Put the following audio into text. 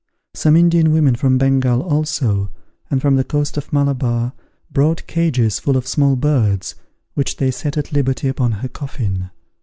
Some Indian women from Bengal also, and from the coast of Malabar, brought cages full of small birds, which they set at liberty upon her coffin.